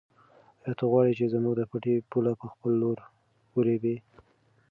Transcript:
آیا ته غواړې چې زموږ د پټي پوله په خپل لور ورېبې؟